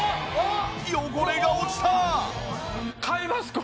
汚れが落ちた！